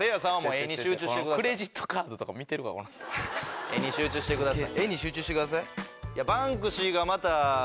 絵に集中してください。